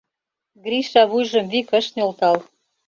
Гриша вуйжым вик ыш нӧлтал.